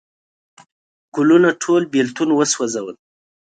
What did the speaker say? ګلونه ټول بیلتون وسوزل